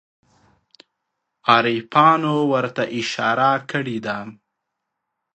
عارفانو ورته اشاره کړې ده.